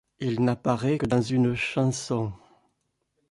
Il n'apparaît que dans une chanson.